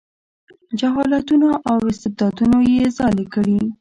جهالتونو او استبدادونو یې ځالې کړي.